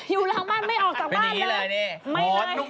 อยู่หลังบ้านไม่ออกจากบ้านไปเลย